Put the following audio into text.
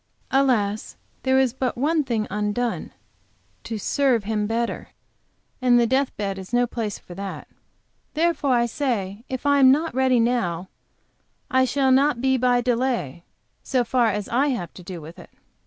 Alas, there is but one thing undone, to serve Him better; and the death bed is no place for that. Therefore I say, if I am not ready now, I shall not be by delay, so far as I have to do with it.